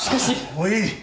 もういい。